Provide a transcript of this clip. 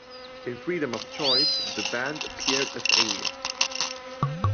In "Freedom of Choice," the band appeared as aliens.